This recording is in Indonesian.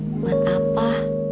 yang bener buat apa